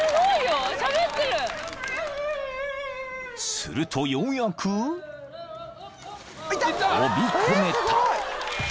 ［するとようやく］［飛び込めた］